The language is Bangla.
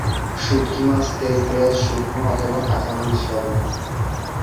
শুঁটকি মাছ, তেল, পেঁয়াজ, শুকনো অথবা কাঁচা মরিচ, লবণ।